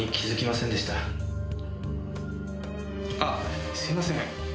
あっすいません。